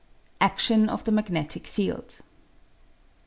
Action of the Magnetic Field.